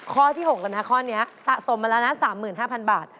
ข้อที่๖แล้วนะข้อนี้สะสมมาแล้วนะ๓๕๐๐บาท